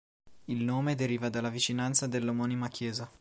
Il nome deriva dalla vicinanza dell'omonima chiesa.